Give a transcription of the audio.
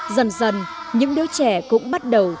dần dần những đứa trẻ cũng bắt đầu thay đổi